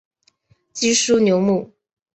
基舒纽姆。